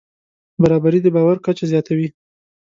برابري د باور کچه زیاتوي.